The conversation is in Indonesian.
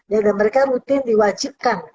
ya dan mereka rutin diwajibkan